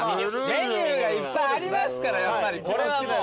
メニューがいっぱいありますからこれはもう。